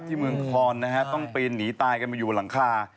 เมืองคอนนะฮะต้องปีนหนีตายกันมาอยู่บนหลังคา